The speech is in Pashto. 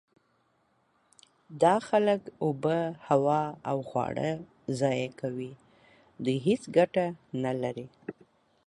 دا خلک اوبه، هوا او خواړه ضایع کوي. دوی هیڅ ګټه نلري.